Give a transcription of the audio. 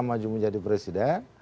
maju menjadi presiden